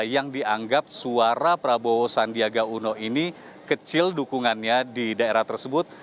yang dianggap suara prabowo sandiaga uno ini kecil dukungannya di daerah tersebut